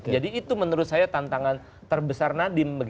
jadi itu menurut saya tantangan terbesar nadiem